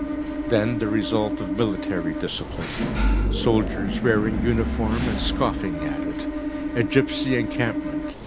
Then the result of military discipline: soldiers wearing uniform and scoffing at it. A gipsy encampment.